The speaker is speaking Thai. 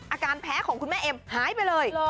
อาการแพ้ของคุณแม่เอ็มหายไปเลย